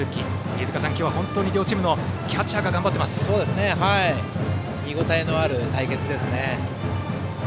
飯塚さん、今日は両チームのキャッチャーが見応えのある対決ですね。